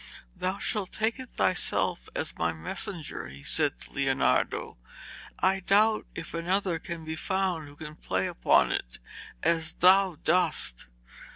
'Thou shalt take it thyself, as my messenger,' he said to Leonardo. 'I doubt if another can be found who can play upon it as thou dost.'